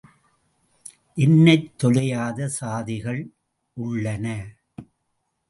எண்ணத் தொலையாத சாதிகள் உள்ளன.